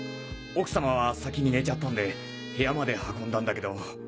奥様は先に寝ちゃったんで部屋まで運んだんだけど。